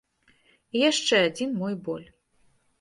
І яшчэ адзін мой боль.